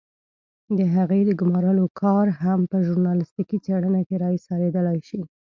د هغې د ګمارلو کار هم په ژورنالستيکي څېړنه کې را اېسارېدلای شي.